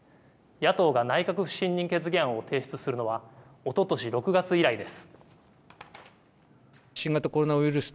野党が内閣不信任決議案を提出するのは、おととし６月以来です。